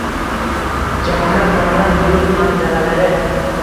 Jannatmonand yurt manzaralari